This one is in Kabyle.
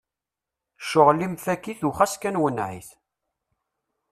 Cɣel-im fak-it u xas kan wenneɛ-it!